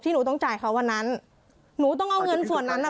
หนูต้องจ่ายเขาวันนั้นหนูต้องเอาเงินส่วนนั้นอ่ะ